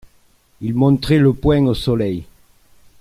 Il montrait le poing au soleil!